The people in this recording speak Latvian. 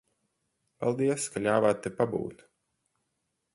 Paldies, ka ļāvāt te pabūt.